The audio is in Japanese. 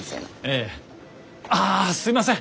ええ。ああすいません